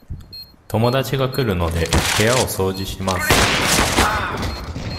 友達が来るので、部屋を掃除します。